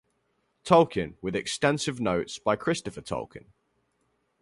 Tolkien, with extensive notes by Christopher Tolkien.